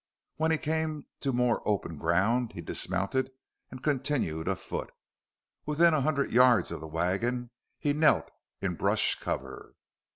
When he came to more open ground, he dismounted and continued afoot. Within a hundred yards of the wagon he knelt in brush cover.